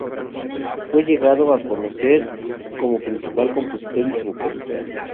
Fue llegado a conocer como su principal compositor y su vocalista.